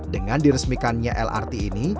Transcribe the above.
dengan diresmikannya lrt ini